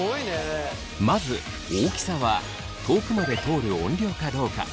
まず大きさは遠くまで通る音量かどうか。